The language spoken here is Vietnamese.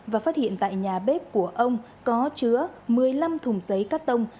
và phát hiện tại nhà bếp của ông có chứa một mươi năm thùng giấy cắt tông